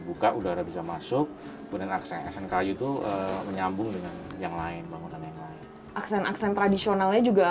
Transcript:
menghasilkan kayu itu menyambung dengan yang lain bangunan yang lain aksen aksen tradisionalnya juga